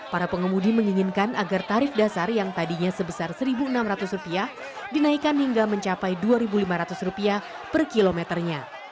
para pengemudi menginginkan agar tarif dasar yang tadinya sebesar rp satu enam ratus dinaikkan hingga mencapai rp dua lima ratus per kilometernya